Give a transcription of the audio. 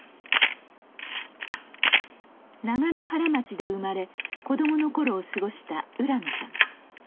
長野原町で生まれ子供の頃を過ごした浦野さん。